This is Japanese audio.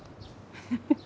フフフッ。